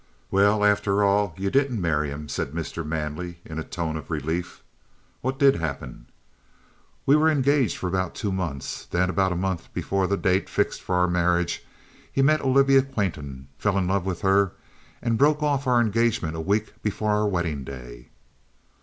"Well, after all, you didn't marry him," said Mr. Manley in a tone of relief. "What did happen?" "We were engaged for about two months. Then, about a month before the date fixed for our marriage, he met Olivia Quainton, fell in love with her, and broke off our engagement a week before our wedding day."